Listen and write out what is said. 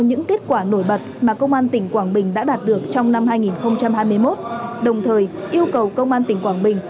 những kết quả nổi bật mà công an tỉnh quảng bình đã đạt được trong năm hai nghìn hai mươi một đồng thời yêu cầu công an tỉnh quảng bình